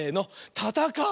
「たたかう」！